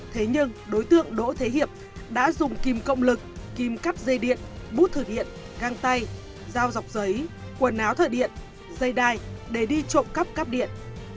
thế nhưng đối tượng đỗ thế hiệp đã dùng kim cộng lực kim cắp dây điện bút thử điện găng tay dao dọc giấy quần áo thở điện dây đai để đi trộm cắp cắp điện